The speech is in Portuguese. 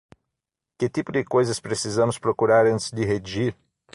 Que tipo de coisas precisamos procurar antes de redigir?